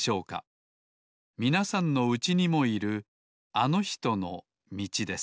みなさんのうちにもいるあのひとのみちです